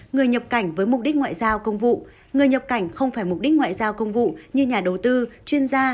người nhập cảnh với mục đích ngoại giao công vụ người nhập cảnh không phải mục đích ngoại giao công vụ như nhà đầu tư chuyên gia